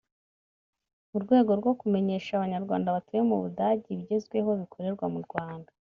mu rwego rwo kumenyesha Abanyarwanda batuye mu Budage ibigezweho bikorerwa mu Rwanda